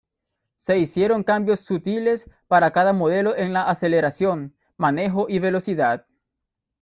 Se hicieron cambios sutiles para cada modelo en la aceleración, manejo y velocidad.